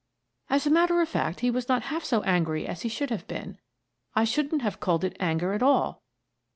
" As a matter of fact, he was not half so angry as he should have been. I shouldn't have called it anger at all."